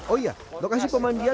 oh iya lokasi pemanjangan